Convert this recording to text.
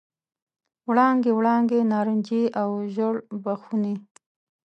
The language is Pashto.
وړانګې، وړانګې نارنجي او ژړ بخونې،